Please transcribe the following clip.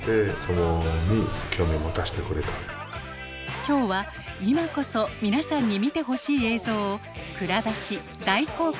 今日は今こそ皆さんに見てほしい映像を蔵出し大公開します。